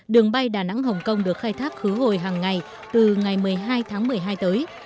đường bay đà nẵng hồng kông được khai thác khứ hồi hàng ngày từ ngày một mươi hai tháng một mươi hai tới